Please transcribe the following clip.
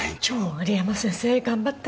森山先生頑張って！